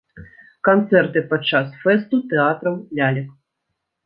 Канцэрты падчас фэсту тэатраў лялек.